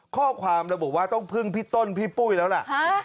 ข้อความระบุว่าต้องพึ่งพี่ต้นพี่ปุ้ยแล้วล่ะ